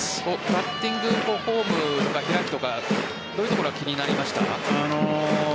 バッティングフォームが開くとかどういうところが気になりました？